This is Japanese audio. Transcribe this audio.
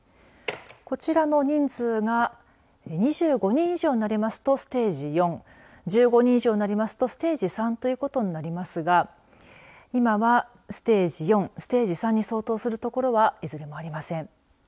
こちらの人数が２５人以上になりますとステージ４１５人以上になりますとステージ３ということになりますが今は、ステージ４ステージ３に相当する所はいずれもありません。